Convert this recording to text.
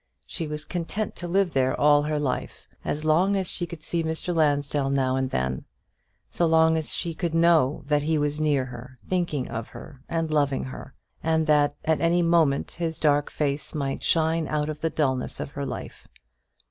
She was content to live there all her life, as long as she could see Mr. Lansdell now and then; so long as she could know that he was near her, thinking of her and loving her, and that at any moment his dark face might shine out of the dulness of her life.